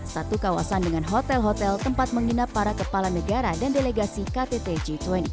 satu kawasan dengan hotel hotel tempat menginap para kepala negara dan delegasi ktt g dua puluh